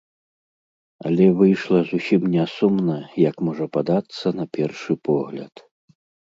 Але выйшла зусім не сумна, як можа падацца на першы погляд.